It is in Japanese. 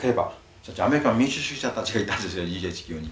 そしてアメリカの民主主義者たちがいたでしょＧＨＱに。